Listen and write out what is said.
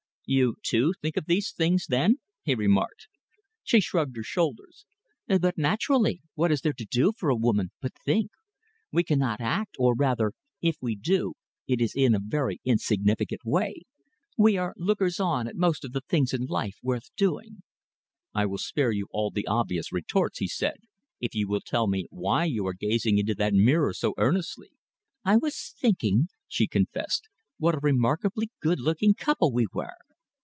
"You, too, think of these things, then?" he remarked. She shrugged her shoulders. "But naturally! What is there to do for a woman but think? We cannot act, or rather, if we do, it is in a very insignificant way. We are lookers on at most of the things in life worth doing." "I will spare you all the obvious retorts," he said, "if you will tell me why you are gazing into that mirror so earnestly?" "I was thinking," she confessed, "what a remarkably good looking couple we were."